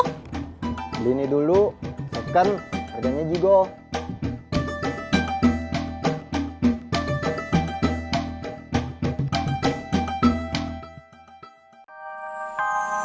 beli ini dulu tekan harganya gigol